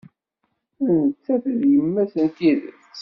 D nettat ay d yemma-s n tidet.